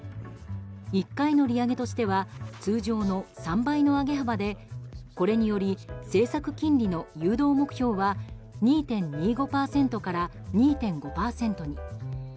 １回の利上げとしては通常の３倍の上げ幅でこれにより政策金利の誘導目標は２．２５％から２．５％に。